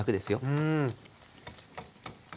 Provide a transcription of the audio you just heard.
うん。